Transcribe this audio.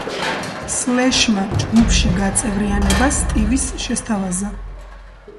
სლეშმა ჯგუფში გაწევრიანება სტივის შესთავაზა.